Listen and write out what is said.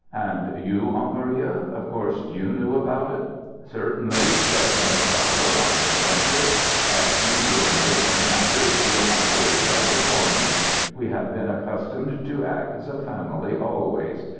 "And you, Aunt Maria, of course you knew about it!" "Certainly," said Miss Fowler, on the defensive. "As usual in business matters, your uncle decided for me. We have been accustomed to act as a family always.